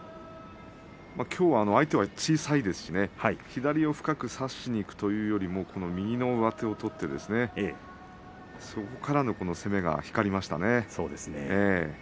きょうは相手が小さいですし左を深く差しにいくというよりも右の上手を取ってそこからの攻めが光りましたね。